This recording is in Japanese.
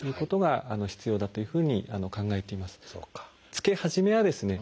着け始めはですね